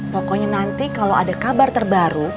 pokoknya nanti kalau ada kabar terbaru